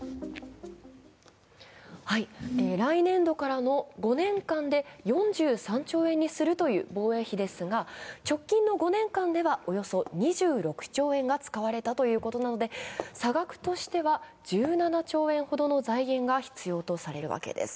来年度からの５年間で４３兆円にするという防衛費ですが、直近の５年間ではおよそ２６兆円が使われたということですので差額としては１７兆円ほどの財源が必要とされるわけです。